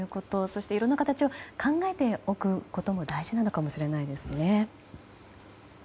そしていろんな形を考えておくことも大事なのかもしれないですね。